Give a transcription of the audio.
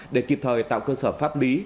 để kịp thời tạo cơ sở pháp lý